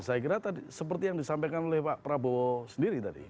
saya kira tadi seperti yang disampaikan oleh pak prabowo sendiri tadi